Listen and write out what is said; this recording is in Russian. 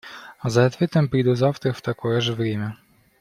За ответом приду завтра в такое же время.